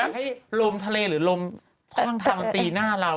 ให้ลมทะเลหรือลมข้างทางมันตีหน้าเรา